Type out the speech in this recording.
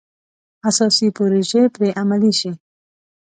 اساسي پروژې پرې عملي شي.